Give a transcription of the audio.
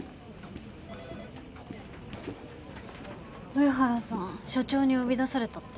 上原さん署長に呼び出されたって？